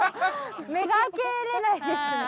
目が開けれないですね。